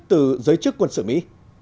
từ giới chức quân sự mỹ